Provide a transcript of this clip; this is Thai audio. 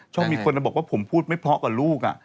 มีคนบอกว่าผมพูดไม่เพราะกับลูก